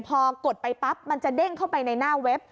พอกดไปปั๊บมันจะเด้งเข้าไปในหน้าเว็บ